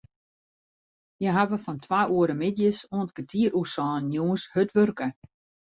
Hja hawwe fan twa oere middeis oant kertier oer sânen jûns hurd wurke.